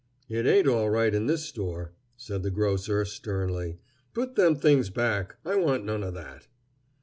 "It ain't all right in this store," said the grocer, sternly. "Put them things back. I want none o' that."